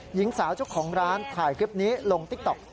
หญิงสาวเจ้าของร้านถ่ายคลิปนี้ลงติ๊กต๊อก